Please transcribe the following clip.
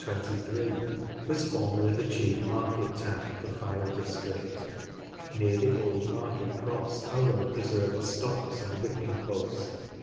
(2223), was formerly the chief market town of the Fylde district. Near the old market cross are well preserved stocks and whipping post.